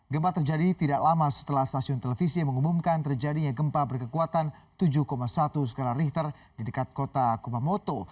gempa terjadi tidak lama setelah stasiun televisi mengumumkan terjadinya gempa berkekuatan tujuh satu skala richter di dekat kota kumamoto